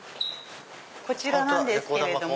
こちらなんですけれども。